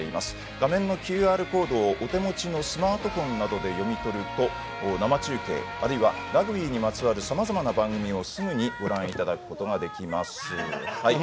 画面のＱＲコードを手持ちのスマートフォンなどで読み取ると、生中継あるいはラグビーにまつわるさまざまな番組をすぐご覧いただくことができます。